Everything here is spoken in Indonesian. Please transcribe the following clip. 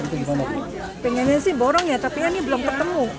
kenapa beli di sini bu